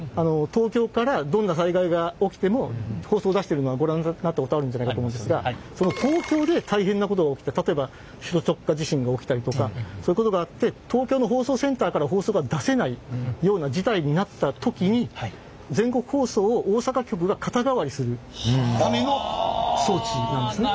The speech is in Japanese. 東京からどんな災害が起きても放送を出してるのはご覧になったことあるんじゃないかと思うんですがその東京で大変なことが起きた例えば首都直下地震が起きたりとかそういうことがあって東京の放送センターから放送が出せないような事態になった時に全国放送を大阪局が肩代わりするための装置なんですね。